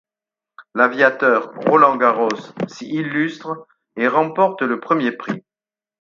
L'aviateur Roland Garros s'y illustre et remporte le premier prix.